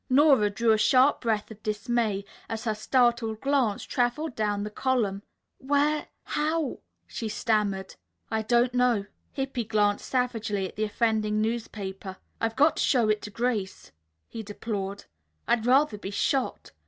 Nora drew a sharp breath of dismay as her startled glance traveled down the column. "Where how " she stammered. "I don't know." Hippy glared savagely at the offending newspaper. "I've got to show it to Grace," he deplored. "I'd rather be shot.